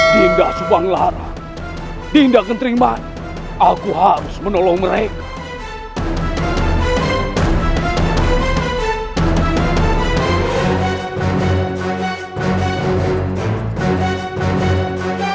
dinda subang lara dinda kenteriman aku harus menolong mereka